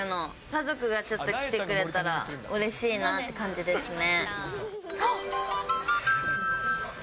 家族がちょっと来てくれたら、うれしいなって感じですね。